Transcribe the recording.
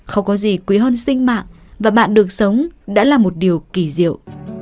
không có gì quý hơn sinh mạng và bạn được sống đã là một điều kỳ diệu